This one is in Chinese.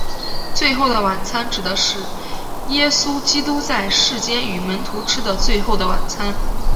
最后的晚餐指的是耶稣基督在世间与门徒吃的最后的晚餐。